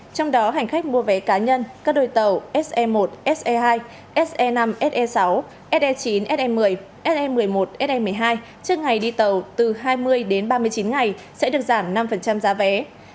trong đó hành khách mua vé cá nhân các đôi tàu se một se hai se năm se sáu se chín se một mươi se một mươi một se một mươi hai trước ngày đi tàu từ hai mươi đến ba mươi chín ngày sẽ được giảm năm giá vé